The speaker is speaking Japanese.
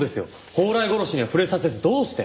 宝来殺しには触れさせずどうして？